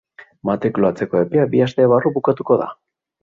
Matrikulatzeko epea bi aste barru bukatuko da.